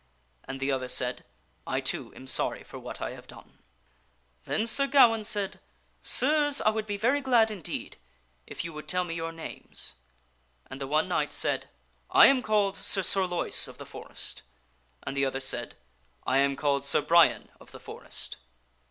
And the other said, " I too am sorry for what I have done." Then Sir Gawaine said, "Sirs, I would be very glad indeed if you would tell me your names." And the one knight said, " I am called Sir Sorloise of the Forest." And the other said, " I am called Sir Brian of the Forest."